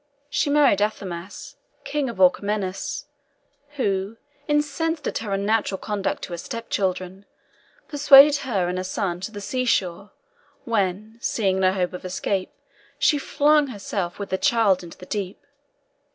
She married Athamas, king of Orchomenus, who, incensed at her unnatural conduct to her step children, pursued her and her son to the sea shore, when, seeing no hope of escape, she flung herself with her child into the deep.